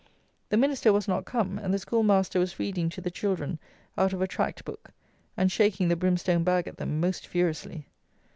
The "Minister" was not come, and the Schoolmaster was reading to the children out of a tract book, and shaking the brimstone bag at them most furiously.